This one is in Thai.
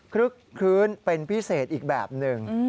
ลึกคลื้นเป็นพิเศษอีกแบบหนึ่ง